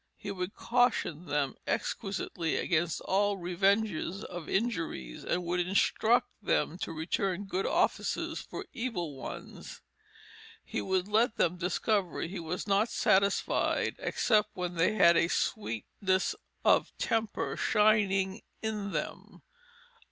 He would caution them exquisitely against all revenges of injuries and would instruct them to return good offices for evil ones.... He would let them discover he was not satisfied, except when they had a sweetness of temper shining in them."